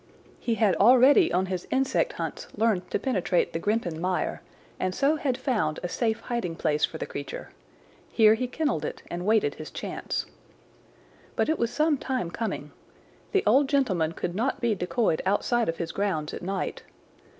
He had already on his insect hunts learned to penetrate the Grimpen Mire, and so had found a safe hiding place for the creature. Here he kennelled it and waited his chance. "But it was some time coming. The old gentleman could not be decoyed outside of his grounds at night.